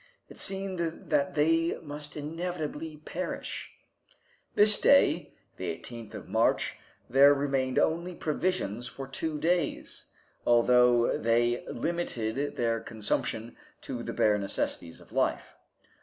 It seemed that they must inevitably perish. This day, the 18th of March, there remained only provisions for two days, although they limited their consumption to the bare necessaries of life.